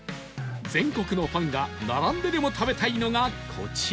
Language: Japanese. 全国のファンが並んででも食べたいのがこちら